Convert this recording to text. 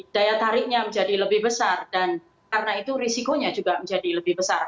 daya tariknya menjadi lebih besar dan karena itu risikonya juga menjadi lebih besar